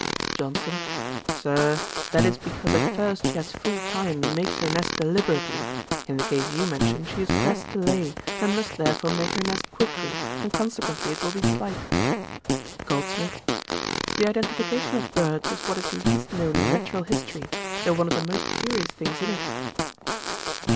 JOHNSON. 'Sir, that is because at first she has full time and makes her nest deliberately. In the case you mention she is pressed to lay, and must therefore make her nest quickly, and consequently it will be slight.' GOLDSMITH. 'The identification of birds is what is least known in natural history, though one of the most curious things in it.'